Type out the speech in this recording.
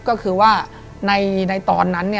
ก็คือว่าในตอนนั้น